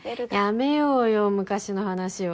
やめようよ昔の話は。